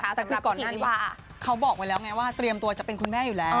แต่คือก่อนหน้านี้ว่าเขาบอกไว้แล้วไงว่าเตรียมตัวจะเป็นคุณแม่อยู่แล้ว